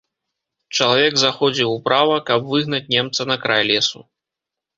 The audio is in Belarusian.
Чалавек заходзіў управа, каб выгнаць немца на край лесу.